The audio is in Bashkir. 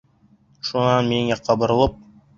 Шунан минең яҡҡа боролоп.